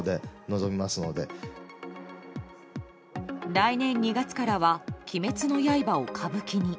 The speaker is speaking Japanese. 来年２月からは「鬼滅の刃」を歌舞伎に。